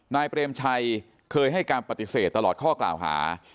เปรมชัยเคยให้การปฏิเสธตลอดข้อกล่าวหา